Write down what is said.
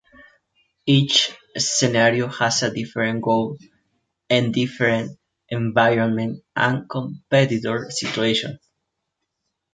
Each scenario has a different goal and different environment and competitor situation.